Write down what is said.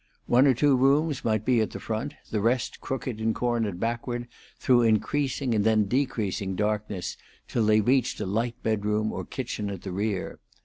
One or two rooms might be at the front, the rest crooked and cornered backward through increasing and then decreasing darkness till they reached a light bedroom or kitchen at the rear.